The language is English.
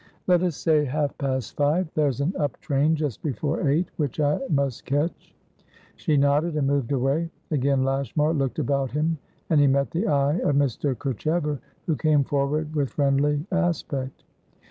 "Let us say half past five. There's an up train just before eight, which I must catch." She nodded, and moved away. Again Lashmar looked about him, and he met the eye of Mr. Kerchever, who came forward with friendly aspect.